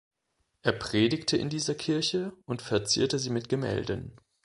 Er predigte in dieser Kirche und verzierte sie mit Gemälden.